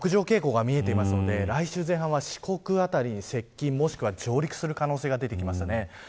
北上傾向が見えていますので来週前半は、四国辺りに接近もしくは上陸する可能性が出てきました。